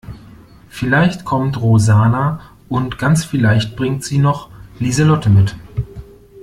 Vielleicht kommt Rosanna und ganz vielleicht bringt sie noch Lieselotte mit.